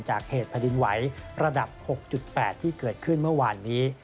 จากเหตุแผ่นดินไหวระดับ๖๘ที่เกิดขึ้นเมื่อวานนี้